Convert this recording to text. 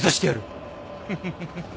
フフフ。